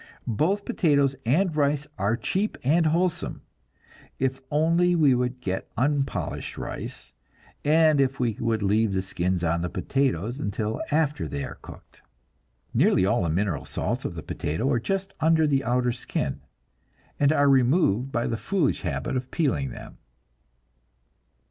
Both potatoes and rice are cheap and wholesome, if only we would get unpolished rice, and if we would leave the skins on the potatoes until after they are cooked. Nearly all the mineral salts of the potato are just under the outer skin, and are removed by the foolish habit of peeling them.